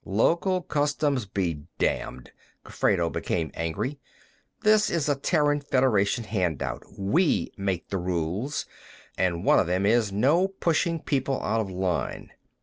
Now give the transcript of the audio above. "Local customs be damned!" Gofredo became angry. "This is a Terran Federation handout; we make the rules, and one of them is, no pushing people out of line.